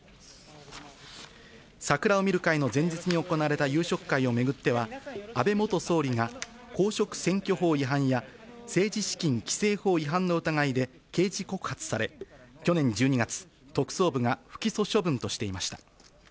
桜を見る会の前日に行われた夕食会を巡っては、安倍元総理が公職選挙法違反や、政治資金規正法違反の疑いで刑事告発され、去年１２月、特捜部が不起訴処分としていました。